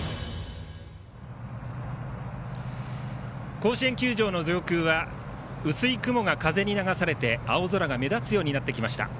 甲子園球場の上空は薄い雲が風に流されて青空が目立つようになってきました。